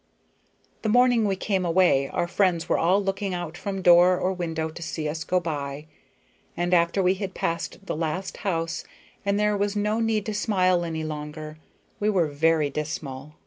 The morning we came away our friends were all looking out from door or window to see us go by, and after we had passed the last house and there was no need to smile any longer, we were very dismal.